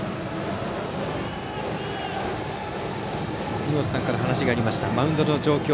杉本さんから話がありましたがマウンドの状況